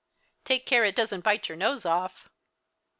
"Take care it doesn't bite your nose off."